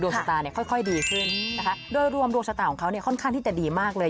ชะตาเนี่ยค่อยดีขึ้นนะคะโดยรวมดวงชะตาของเขาเนี่ยค่อนข้างที่จะดีมากเลย